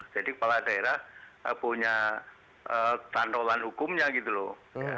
jadi kepala daerah punya tandolan hukumnya gitu loh